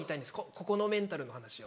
ここのメンタルの話を。